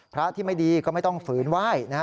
พระที่ไม่ดีก็ไม่ต้องฝืนไหว้นะฮะ